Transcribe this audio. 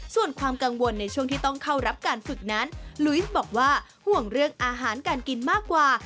ส่วนความกังวลในช่วงที่ต้องเข้ารับการฝึกนั้นลุยสบอกว่าห่วงเรื่องอาหารการกินมากกว่า